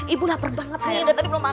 ibu lapar banget nih udah tadi belom makan